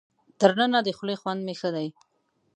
تر ننه د خولې خوند مې ښه دی.